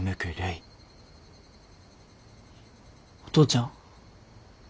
お父ちゃん？